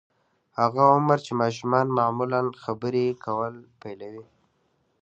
هغه عمر چې ماشومان معمولاً خبرې کول پيلوي.